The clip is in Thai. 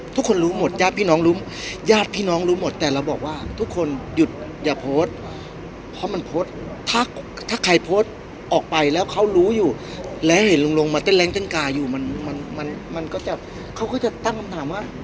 ทุกคนรู้หมดญาติพี่น้องรู้ญาติพี่น้องรู้หมดแต่เราบอกว่าทุกคนหยุดอย่าโพสต์เพราะมันโพสต์ถ้าใครโพสต์ออกไปแล้วเขารู้อยู่แล้วเห็นลุงลงมาเต้นแรงเต้นกาอยู่มันมันมันก็จะเขาก็จะตั้งคำถามว่า